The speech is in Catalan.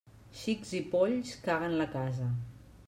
Xics i polls, caguen la casa.